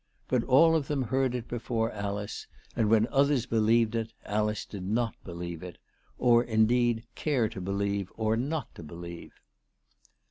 But all of them heard it before Alice, and when others believed it Alice did not believe it, or, indeed, care to believe or not to believe.